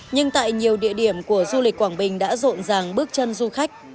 nhưng tại nhiều địa điểm của du lịch quảng bình đã rộn ràng bước chân du khách